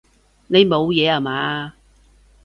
你冇嘢啊嘛？